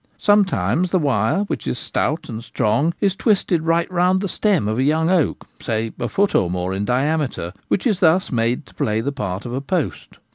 Sometimes the wire, which is stout and strong, is twisted right round the stem of a young oak, say a foot or more in diameter, which is thus made to play the part of a post.